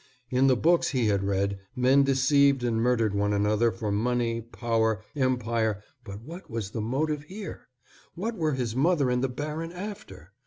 In the books he had read, men deceived and murdered one another for money, power, empire, but what was the motive here? What were his mother and the baron after?